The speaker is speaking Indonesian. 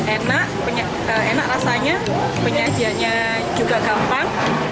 enak enak rasanya penyajiannya juga gampang